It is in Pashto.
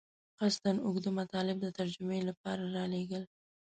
قصداً اوږده مطالب د ترجمې لپاره رالېږل.